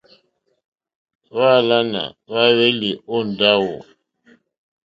Hwáǎnà hwáhwélì ó ndáwò.